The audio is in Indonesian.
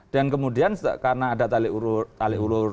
dan kemudian karena ada tarik ulur